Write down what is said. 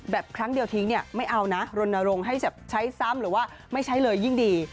ครั้งเดียวทิ้งเนี่ยไม่เอานะรณรงค์ให้ใช้ซ้ำหรือว่าไม่ใช้เลยยิ่งดี